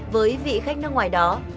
với vị khách nước ngoài đó